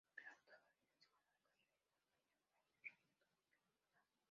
El estadounidense ganó la carrera y el australiano Wayne Rainey tuvo que abandonar.